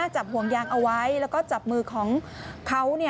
จับห่วงยางเอาไว้แล้วก็จับมือของเขา